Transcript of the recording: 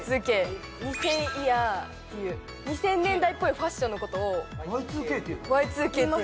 イヤーっていう２０００年代っぽいファッションのことをＹ２Ｋっていうの？